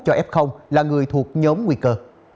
cho f là người thuộc nhóm nguy cơ